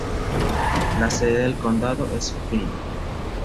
La sede del condado es Flint.